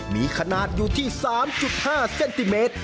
มีขนาดอยู่ที่๓๕เซนติเมตร